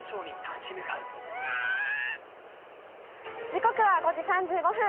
時刻は５時３５分。